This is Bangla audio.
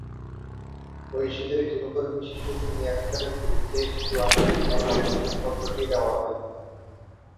ঐশীদের গৃহকর্মী শিশু সুমি আকতারের বিরুদ্ধে শিশু আইনে অপর অভিযোগপত্রটি দেওয়া হয়।